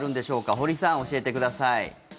堀さん、教えてください。